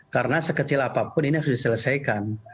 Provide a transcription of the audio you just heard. karena sekecil apapun ini harus diselesaikan